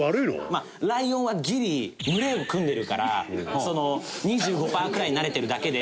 まあライオンはギリ群れを組んでるから２５パーくらいになれてるだけで。